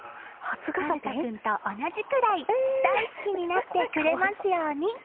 ソルト君と同じくらい大好きになってくれますように。